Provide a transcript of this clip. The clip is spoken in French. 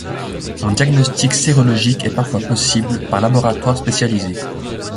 Un diagnostic sérologique est parfois possible, par laboratoire spécialisé.